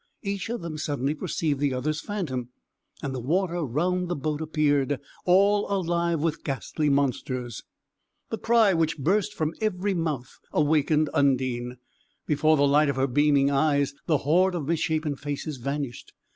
each of them suddenly perceived the other's phantom, and the water round the boat appeared all alive with ghastly monsters. The cry which burst from every mouth awakened Undine. Before the light of her beaming eyes the horde of misshapen faces vanished.